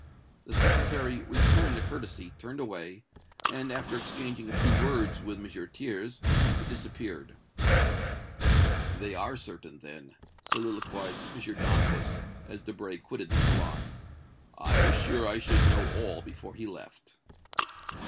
The Secretary returned the courtesy, turned away, and, after exchanging a few words with M. Thiers, disappeared. "They are certain, then!" soliloquized M. Dantès, as Debray quitted the salon. "I was sure I should know all before he left."